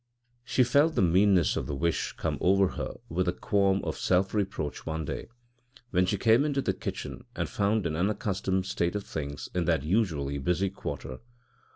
She felt the meanness of the wish come over her with a qualm of self reproach one day when she came into the kitchen and found an unaccustomed state of things in that usually busy quarter.